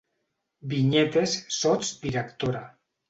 Vinyet és sots-directora